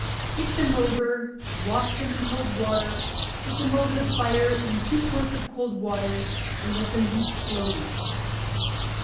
Pick them over, wash them in cold water, put them over the fire in two quarts of cold water and let them heat slowly.